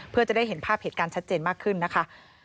เพื่อจะได้เห็นภาพเหตุการณ์ชัดเจนมากขึ้นนะคะ